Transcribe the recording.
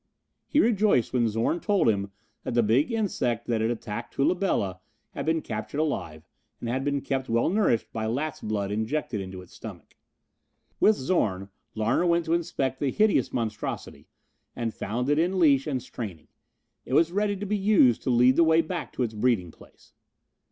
He rejoiced when Zorn told him that the big insect that had attacked Tula Bela had been captured alive and had been kept well nourished by lat's blood injected into its stomach. With Zorn Larner went to inspect the hideous monstrosity and found it in leash and straining. It was ready to be used to lead the way back to its breeding place.